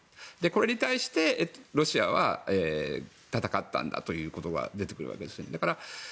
これに対して、ロシアは戦ったんだということが出てくるわけですね。